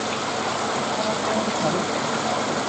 আর আপনি আমাকে স্যালুট করবেন।